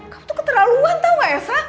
kamu tuh keterlaluan tau gak elsa